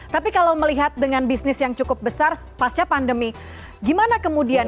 tapi kalau melihat dengan bisnis yang cukup besar pasca pandemi gimana kemudian